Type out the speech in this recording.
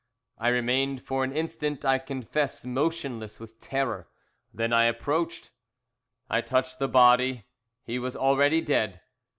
"I remained for an instant, I confess, motionless with terror, then I approached. "I touched the body, he was already dead.